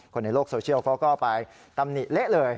คนในโลกโซเชียลเขาก็ไปตำหนิเละเลย